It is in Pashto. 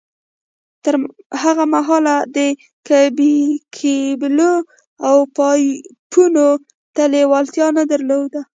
تر هغه مهاله ده کېبلو او پایپونو ته لېوالتیا نه در لوده